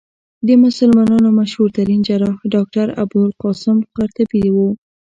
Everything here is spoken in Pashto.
د مسلمانانو مشهورترين جراح ډاکټر ابوالقاسم قرطبي وو.